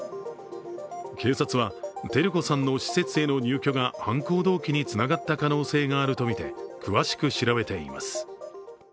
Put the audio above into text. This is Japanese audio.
警察は照子さんの施設への入居が犯行動機につながった可能性があるとみて詳しく調べています。